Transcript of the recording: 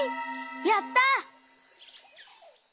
やった！